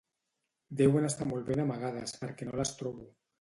Deuen estar molt ben amagades perquè no les trobo